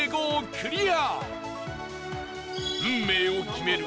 クリア運命を決める